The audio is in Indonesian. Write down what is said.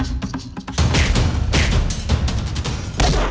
aku taunya kamu tau gak